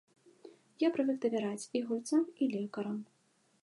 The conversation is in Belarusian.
Я прывык давяраць і гульцам, і лекарам.